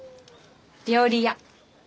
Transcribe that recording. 料理屋。